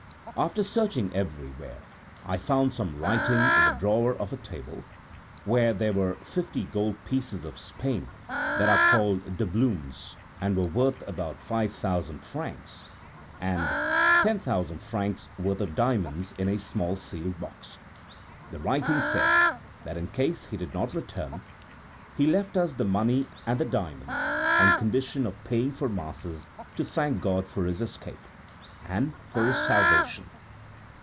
After searching everywhere, I found some writing in the drawer of a table, where there were fifty gold pieces of Spain that are called doubloons and were worth about five thousand francs; and ten thousand francs' worth of diamonds in a small sealed box. The writing said, that in case he did not return, he left us the money and the diamonds, on condition of paying for Masses to thank God for his escape, and for his salvation.